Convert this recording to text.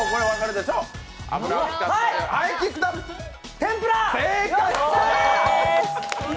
天ぷら！